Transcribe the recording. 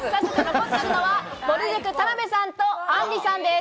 残っているのは、ぼる塾・田辺さんと、あんりさんです。